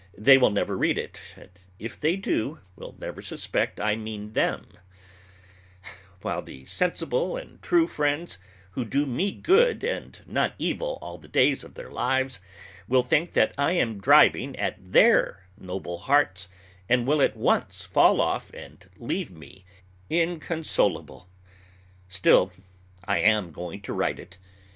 They will never read it, and if they do, will never suspect I mean them; while the sensible and true friends, who do me good and not evil all the days of their lives, will think I am driving at their noble hearts, and will at once fall off and leave me inconsolable. Still I am going to write it.